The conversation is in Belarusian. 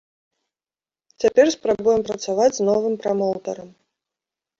Цяпер спрабуем працаваць з новым прамоўтарам.